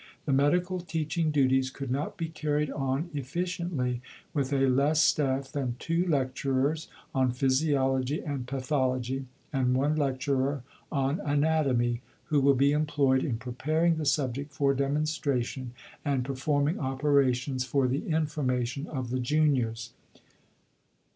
The Medical teaching duties could not be carried on efficiently with a less staff than two lecturers on Physiology and Pathology, and one lecturer on Anatomy, who will be employed in preparing the subject for demonstration, and performing operations for the information of the Juniors."